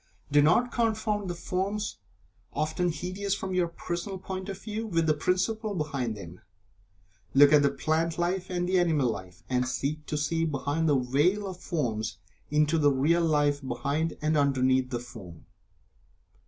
Do not confound the forms (often hideous from your personal point of view) with the principle behind them. Look at the plant life, and the animal life, and seek to see behind the veil of form into the real Life behind and underneath the form.